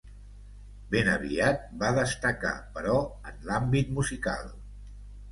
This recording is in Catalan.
Ben aviat va destacar, però, en l’àmbit musical.